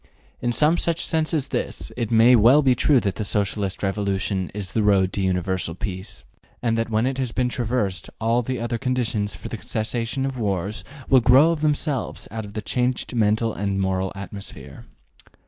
In some such sense as this, it may well be true that the Socialist revolution is the road to universal peace, and that when it has been traversed all the other conditions for the cessation of wars will grow of themselves out of the changed mental and moral atmosphere.